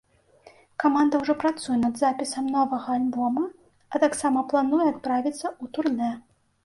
Каманда ўжо працуе над запісам новага альбома, а таксама плануе адправіцца ў турнэ.